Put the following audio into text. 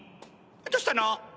どしたの？